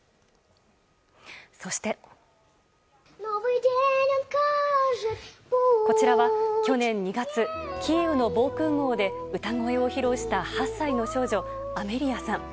そして、こちらは去年２月キーウの防空壕で歌声を披露した８歳の少女アメリアさん。